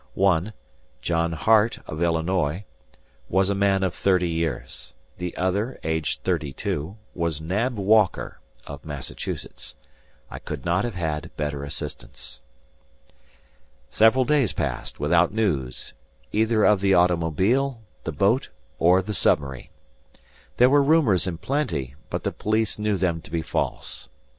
One, John Hart, of Illinois, was a man of thirty years; the other, aged thirty two, was Nab Walker, of Massachusetts. I could not have had better assistants. Several days passed, without news, either of the automobile, the boat, or the submarine. There were rumors in plenty; but the police knew them to be false.